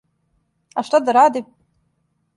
А шта да ради?